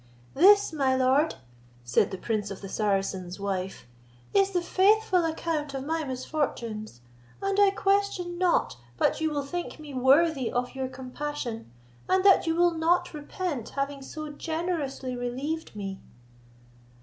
"This, my lord," said the prince of the Saracens' wife, "is the faithful account of my misfortunes, and I question not but you will think me worthy of your compassion, and that you will not repent having so generously relieved me."